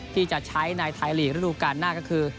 ที่จะใช้ในไทยลีกระดูกาลหน้าก็คือ